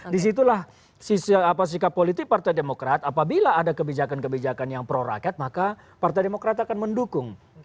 disitulah sikap politik partai demokrat apabila ada kebijakan kebijakan yang pro rakyat maka partai demokrat akan mendukung